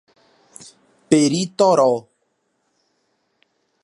Peritoró